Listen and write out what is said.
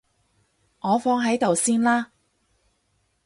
我放喺度先啦